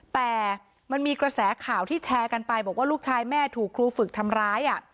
แต่มันมีกระแสข่าวที่แชร์กันไปบอกว่าลูกชายแม่ถูกครูฝึกทำร้าย